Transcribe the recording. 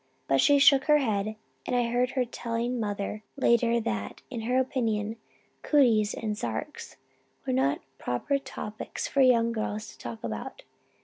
But she shook her head and I heard her telling mother later that, in her opinion, 'cooties' and 'sarks' were not proper subjects for young girls to talk about.